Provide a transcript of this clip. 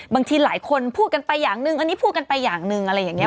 บางทีหลายคนพูดกันไปอย่างหนึ่งอันนี้พูดกันไปอย่างหนึ่งอะไรอย่างนี้